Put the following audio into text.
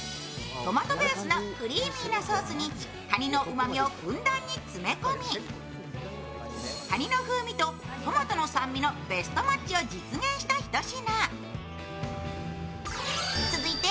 トマトベースのクリーミーなソースにかにのうまみをふんだんに詰め込みかにの風味とトマトの酸味のベストマッチを実現したひと品。